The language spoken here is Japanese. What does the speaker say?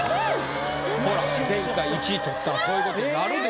前回１位取ったらこういうことになるでしょ？